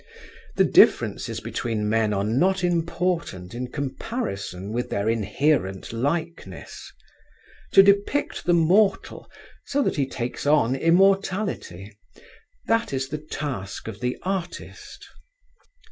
The differences between men are not important in comparison with their inherent likeness. To depict the mortal so that he takes on immortality that is the task of the artist.